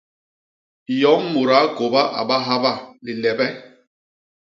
Yom mudaa kôba a ba haba lilebe.